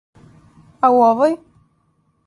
А у овој?